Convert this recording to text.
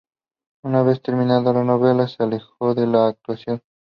Una vez terminada la novela, se alejó de la actuación.